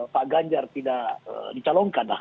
pak ganjar tidak dicalonkan lah